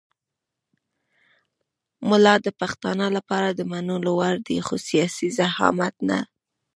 ملا د پښتانه لپاره د منلو وړ دی خو سیاسي زعامت نه.